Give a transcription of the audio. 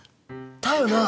だよな！